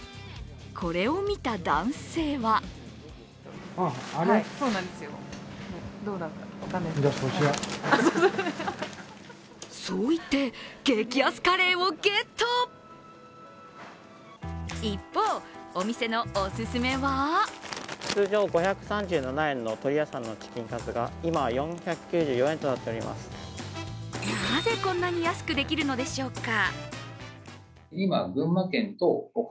これを見た男性はそう言って、激安カレーをゲット一方、お店のおすすめはなぜこんなに安くできるのでしょうか。